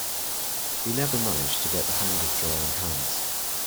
He never managed to get the hang of drawing hands.